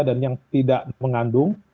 dan yang tidak mengandung